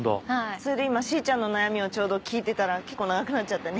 それで今しーちゃんの悩みをちょうど聞いてたら結構長くなっちゃってね。